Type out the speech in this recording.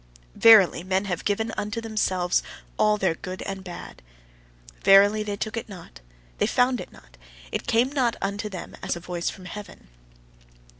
Verily, men have given unto themselves all their good and bad. Verily, they took it not, they found it not, it came not unto them as a voice from heaven.